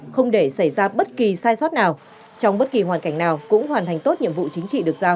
không để xảy ra bất kỳ sai sót nào trong bất kỳ hoàn cảnh nào cũng hoàn thành tốt nhiệm vụ chính trị được giao